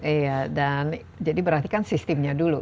iya dan jadi perhatikan sistemnya dulu